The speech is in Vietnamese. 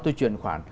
tôi truyền khoản